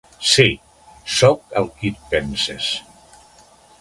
Sí: soc el qui et penses.